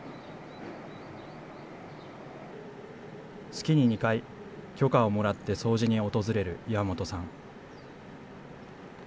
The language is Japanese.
月に２回、許可をもらって掃除に訪れる岩本さん。